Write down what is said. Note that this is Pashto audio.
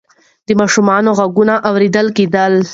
د ماشومانو غږونه اورېدل کېدل.